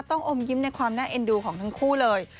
ต้องอมยิ้มในความน่าเอ็นดูของทั้งคู่เลย